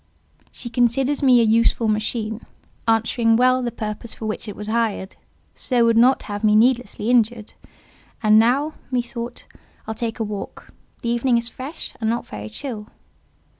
She considers me a useful machine, answering well the purpose for which it was hired; so would not have me needlessly injured. And now," methought, "I'll take a walk; the evening is fresh, and not very chill."